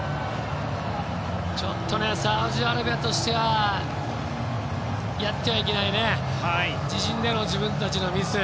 ちょっとサウジアラビアとしてはやってはいけない自陣での自分たちのミス。